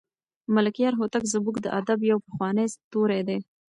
ملکیار هوتک زموږ د ادب یو پخوانی ستوری دی.